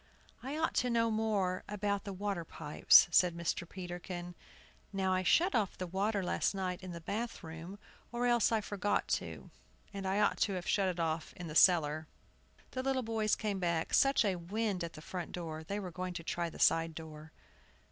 "I ought to know more about the water pipes," said Mr. Peterkin. "Now, I shut off the water last night in the bath room, or else I forgot to; and I ought to have shut it off in the cellar." The little boys came back. Such a wind at the front door, they were going to try the side door.